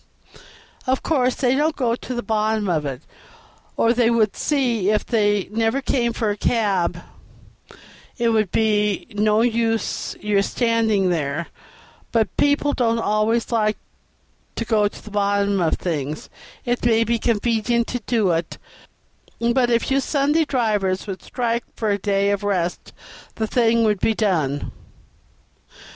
Of course, they don't go to the bottom of it, or they would see if they never came for a cab it would be no use your standing there; but people don't always like to go to the bottom of things; it may not be convenient to do it; but if you Sunday drivers would all strike for a day of rest the thing would be done."